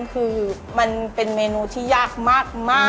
คือมันเป็นเมนูที่ยากมาก